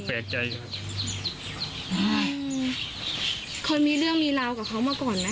เค้าตอนนี้มีเรื่องมีลาวกับเขามาก่อนมั้ย